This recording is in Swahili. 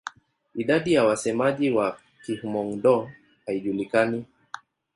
Idadi ya wasemaji wa Kihmong-Dô haijulikani.